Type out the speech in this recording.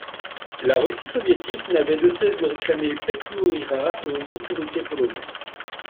La Russie soviétique n'avait de cesse de réclamer Petlioura aux autorités polonaises.